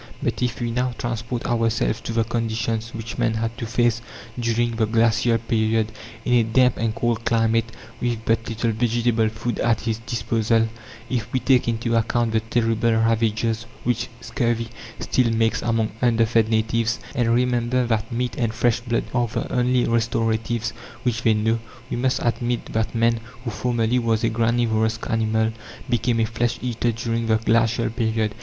But if we now transport ourselves to the conditions which man had to face during the glacial period, in a damp and cold climate, with but little vegetable food at his disposal; if we take into account the terrible ravages which scurvy still makes among underfed natives, and remember that meat and fresh blood are the only restoratives which they know, we must admit that man, who formerly was a granivorous animal, became a flesh eater during the glacial period.